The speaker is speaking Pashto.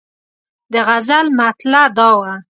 د غزل مطلع دا وه.